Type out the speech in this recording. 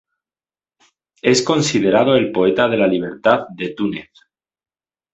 Es considerado el poeta de la libertad de Túnez.